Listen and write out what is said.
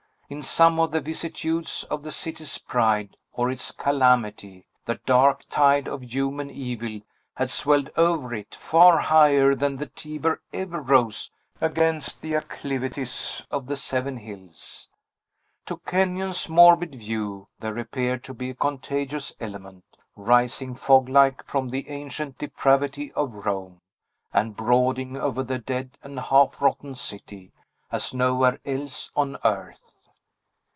In some of the vicissitudes of the city's pride or its calamity, the dark tide of human evil had swelled over it, far higher than the Tiber ever rose against the acclivities of the seven hills. To Kenyon's morbid view, there appeared to be a contagious element, rising fog like from the ancient depravity of Rome, and brooding over the dead and half rotten city, as nowhere else on earth.